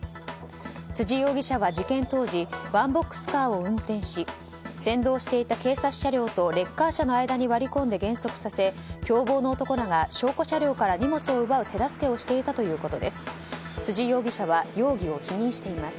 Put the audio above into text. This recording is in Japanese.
辻容疑者は事件当時ワンボックスカーを運転し先導していた警察車両とレッカー車の間に割り込んで減速させ共謀の男らが証拠車両から荷物を奪う手助けをしていたということです。